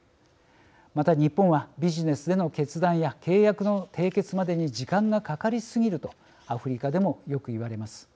また、日本はビジネスでの決断や契約の締結までに時間がかかりすぎるとアフリカでもよく言われます。